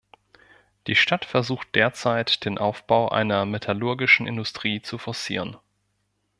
Die Stadt versucht derzeit, den Aufbau einer metallurgischen Industrie zu forcieren.